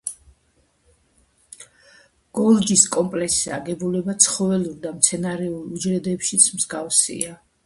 გოლჯის კომპლექსის აგებულება ცხოველურ და მცენარეულ უჯრედებში მსგავსია.